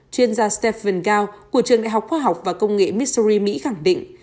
chuyên gia stephen gao của trường đại học khoa học và công nghệ missouri mỹ khẳng định